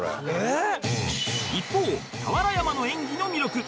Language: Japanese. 一方俵山の演技の魅力